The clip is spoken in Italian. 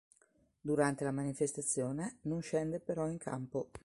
Durante la manifestazione, non scende però in campo.